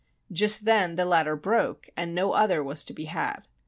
Just then the ladder broke, and no other was to be had.